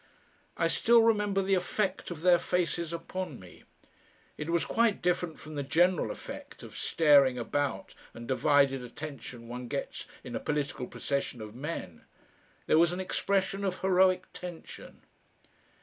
I still remember the effect of their faces upon me. It was quite different from the general effect of staring about and divided attention one gets in a political procession of men. There was an expression of heroic tension.